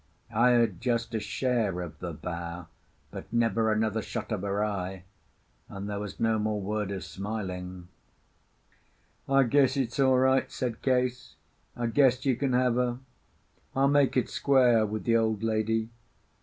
I had just a share of the bow, but never another shot of her eye, and there was no more word of smiling. "I guess it's all right," said Case. "I guess you can have her. I'll make it square with the old lady.